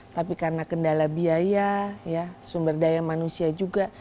tapi karena kendala biaya sumber daya manusia juga